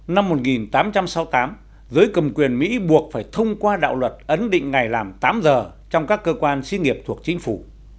năm một nghìn tám trăm sáu mươi tám giới cầm quyền mỹ buộc phải thông qua đạo luật ấn định ngày làm tám giờ trong các cơ quan xí nghiệp thuộc chính phủ